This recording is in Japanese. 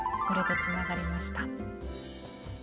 これでつながりました。